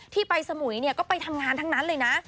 ที่ไปสมุยก็ไปทำงานทั้งนั้นเลยนะ